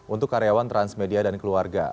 untuk karyawan transmedia dan keluarga